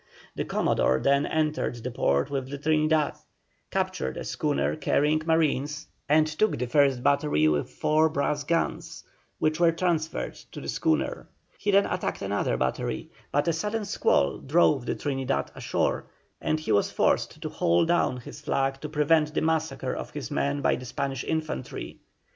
The Commodore then entered the port with the Trinidad, captured a schooner carrying marines, and took the first battery with four brass guns, which were transferred to the schooner. He then attacked another battery, but a sudden squall drove the Trinidad ashore, and he was forced to haul down his flag to prevent the massacre of his men by the Spanish infantry.